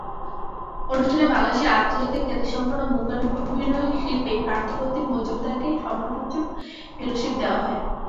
অনুষ্ঠানে বাংলাদেশের আন্তর্জাতিক খ্যাতিসম্পন্ন মূকাভিনয়শিল্পী পার্থপ্রতিম মজুমদারকে সম্মানসূচক ফেলোশিপ দেওয়া হয়।